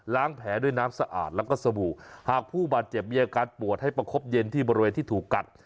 แผลด้วยน้ำสะอาดแล้วก็สบู่หากผู้บาดเจ็บมีอาการปวดให้ประคบเย็นที่บริเวณที่ถูกกัด